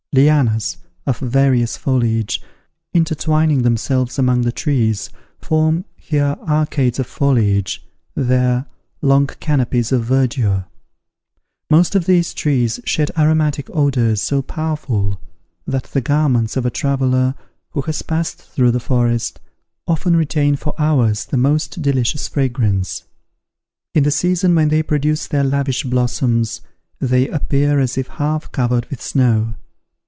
Lianas, of various foliage, intertwining themselves among the trees, form, here, arcades of foliage, there, long canopies of verdure. Most of these trees shed aromatic odours so powerful, that the garments of a traveller, who has passed through the forest, often retain for hours the most delicious fragrance. In the season when they produce their lavish blossoms, they appear as if half covered with snow.